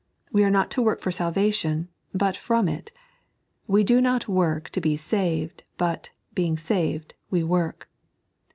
We ore not to work for aalvation, but from it. We do not work to be saved ; but, being saved, we work.